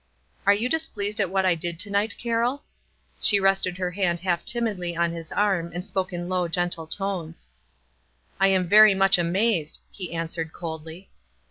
" Are you displeased at what I did to night, Carroll?" She rested her hand half timidly on his arm, and spoke in low, gentle tones. "I am very much amazed," he answered, coldly.